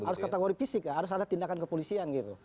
harus kategori fisik harus ada tindakan kepolisian